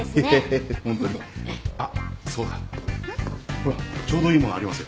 ほらちょうどいいものありますよ。